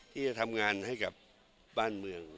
ที่จะทำงานให้กับบ้านเมือง